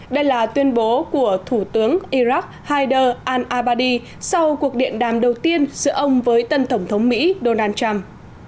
đây là tuyên bố của thủ tướng iraq haider al abadi sau cuộc điện đàm đầu tiên giữa ông với tân tổng thống mỹ donald trump